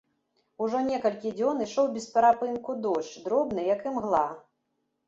Ужо некалькі дзён ішоў без перапынку дождж, дробны, як імгла.